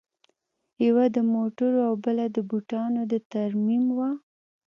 یوه د موټرو او بله د بوټانو د ترمیم وه